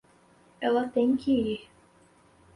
Ela tem que ir.